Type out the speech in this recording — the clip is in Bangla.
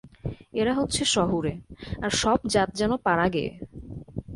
এরা হচ্ছে শহুরে, আর সব জাত যেন পাড়াগেঁয়ে।